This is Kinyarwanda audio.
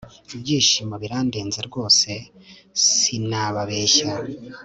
ibyishimo birandenze rwose sinababeshya